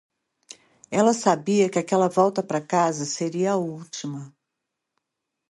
Ela sabia que aquela volta para casa seria a última.